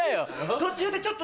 途中でちょっと。